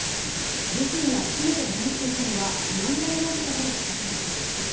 ルフィやＫｉｍと名乗っていたのは今村容疑者だと語りました。